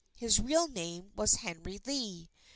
His real name was Henry Lee.